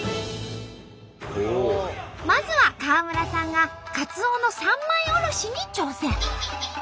まずは川村さんがカツオの三枚おろしに挑戦。